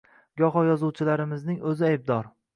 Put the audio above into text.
Goho yozuvchilarimizning o‘zi aybdor